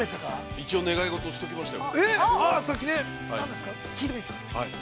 ◆一応願い事をしておきましたよ。